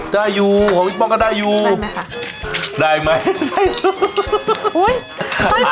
ได้อยู่ของพี่ป้องก็ได้อยู่ได้ไหมค่ะได้ไหมใส่โอ้ย